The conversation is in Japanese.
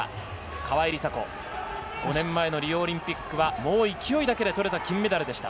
川井梨紗子、５年前のリオオリンピックは勢いだけで取れた金メダルでした。